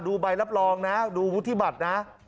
ดูใบแล้วปลอมนะดูวุฒิบัตรนะ